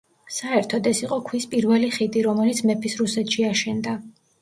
საერთოდ ეს იყო ქვის პირველი ხიდი რომელიც მეფის რუსეთში აშენდა.